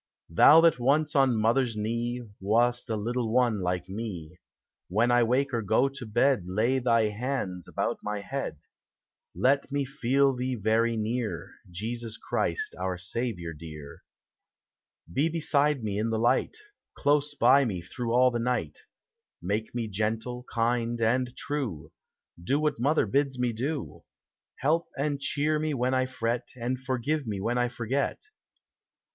Thou that once, on mother's knee. Wast a little one like me. When I wake or go to bed Lav thv hands about my head : Let me feel thee verv near, Jesus Christ, our Saviour dear. He beside me in the light, Close by me through all the night; Make me gentle, kind, and true, Do what mother bids me do; llelp and cheer me when I fret, And forgive when I forget.